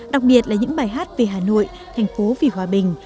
đặc biệt là những bài hát về hà nội thành phố vì hòa bình